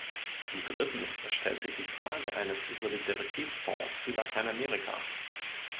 Drittens stellt sich die Frage eines Solidaritätsfonds für Lateinamerika.